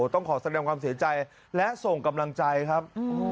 ต้องขอแสดงความเสียใจและส่งกำลังใจครับ